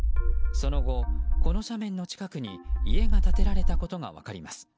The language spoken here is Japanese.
その後、この斜面の近くに家が建てられたことが分かります。